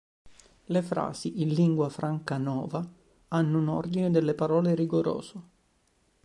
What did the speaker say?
Le frasi in lingua franca nova hanno un ordine delle parole rigoroso.